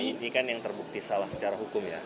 ini kan yang terbukti salah secara hukum ya